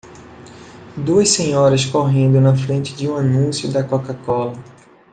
Duas senhoras correndo na frente de um anúncio da CocaCola.